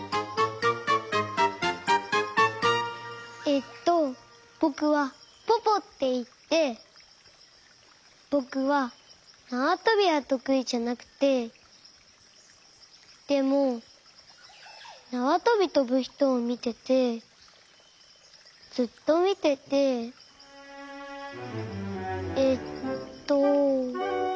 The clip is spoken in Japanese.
えっとぼくはポポっていってぼくはなわとびはとくいじゃなくてでもなわとびとぶひとをみててずっとみててえっと。